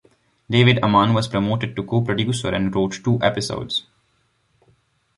David Amann was promoted to co-producer and wrote two episodes.